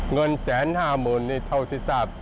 เงินแสนห้ามืนนี้เท่าที่ทราบ